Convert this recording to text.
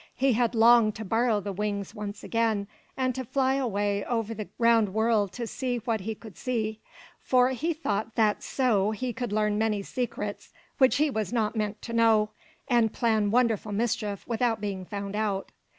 He had longed to borrow the wings once again and to fly away over the round world to see what he could see; for he thought that so he could learn many secrets which he was not meant to know, and plan wonderful mischief without being found out.